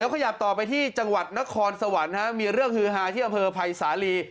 ขยับต่อไปที่จังหวัดนครสวรรค์มีเรื่องฮือฮาที่อำเภอภัยสาลี